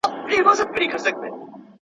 هغه څوک چي د کتابتون د کار مرسته کوي منظم وي